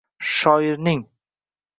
Shoirning